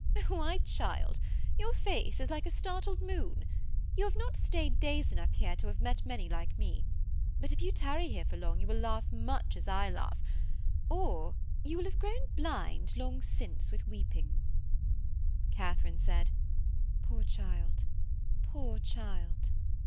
'Why, child, your face is like a startled moon. You have not stayed days enough here to have met many like me; but if you tarry here for long you will laugh much as I laugh, or you will have grown blind long since with weeping.' Katharine said, 'Poor child, poor child!'